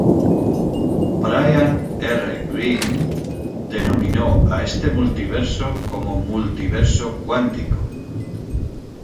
Brian R. Greene denominó a este multiverso como Multiverso cuántico.